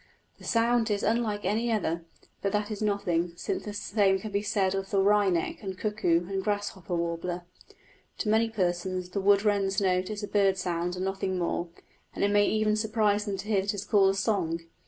The sound is unlike any other, but that is nothing, since the same can be said of the wryneck and cuckoo and grasshopper warbler. To many persons the wood wren's note is a bird sound and nothing more, and it may even surprise them to hear it called a song.